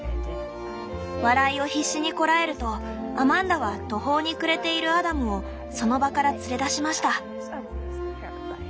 「笑いを必死にこらえるとアマンダは途方に暮れているアダムをその場から連れ出しました」。